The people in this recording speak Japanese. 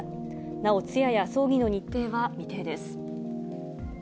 なお通夜や葬儀の日程は未定です。